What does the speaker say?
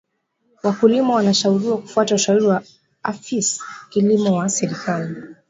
wakulima wanashauriwa kufata ushauri wa afis kilimo wa serekali